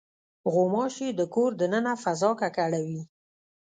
غوماشې د کور د دننه فضا ککړوي.